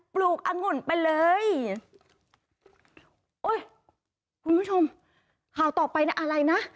ปลูกองุ่นไปเลยคุณผู้ชมข่าวต่อไปอะไรนะ